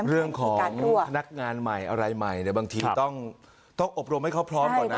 พนักงานใหม่อะไรใหม่เนี่ยบางทีต้องอบรมให้เขาพร้อมก่อนนะ